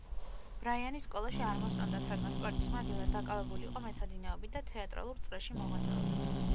ბრაიანი სკოლაში არ მოსწონდათ, რადგან სპორტის მაგივრად დაკავებული იყო მეცადინეობით და თეატრალურ წრეში მოღვაწეობით.